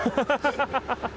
ハハハハッ！